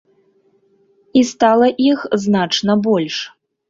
І стала іх значна больш.